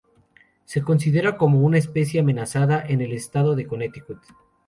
Se considera como una especie amenazada en el estado de Connecticut.